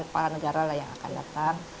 para negara yang akan datang